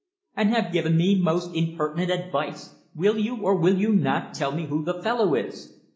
"And have given me most impertinent advice! Will you, or will you not, tell me who the fellow is?"